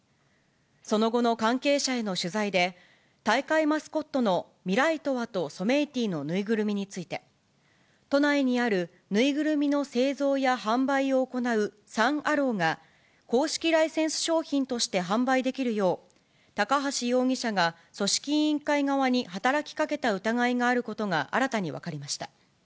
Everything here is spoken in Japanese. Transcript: その後の関係者への取材で、大会マスコットのミライトワとソメイティの縫いぐるみについて、都内にある縫いぐるみの製造や販売を行うサン・アローが、公式ライセンス商品として販売できるよう、高橋容疑者が組織委員会側に働きかけた疑いがあることが新たに分かりました。